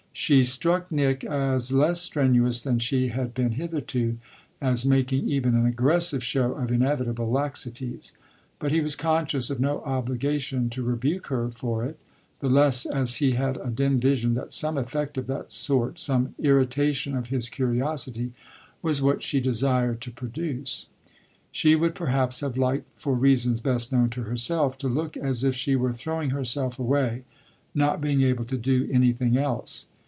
She struck Nick as less strenuous than she had been hitherto, as making even an aggressive show of inevitable laxities; but he was conscious of no obligation to rebuke her for it the less as he had a dim vision that some effect of that sort, some irritation of his curiosity, was what she desired to produce. She would perhaps have liked, for reasons best known to herself, to look as if she were throwing herself away, not being able to do anything else.